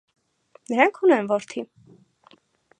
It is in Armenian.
Նրանք ունեն որդի։